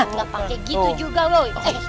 nggak pakai gitu juga loh